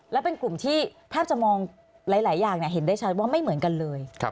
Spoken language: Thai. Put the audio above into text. และเป็นกลุ่มที่แทบจะมองหลายอย่างเห็นได้ชัดว่าไม่เหมือนกันเลย